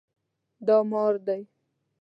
دا مار دی